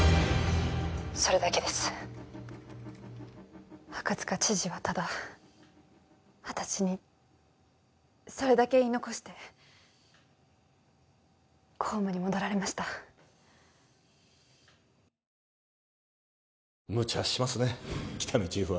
それだけです赤塚知事はただ私にそれだけ言い残して公務に戻られましたムチャしますね喜多見チーフは